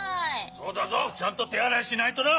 そうだぞ。ちゃんとてあらいしないとな。